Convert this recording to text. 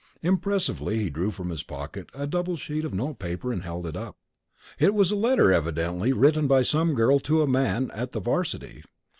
Impressively he drew from his pocket a double sheet of notepaper and held it up. "It was a letter, evidently written by some girl to a man at the 'varsity.